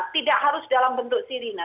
tidak harus dalam bentuk sirine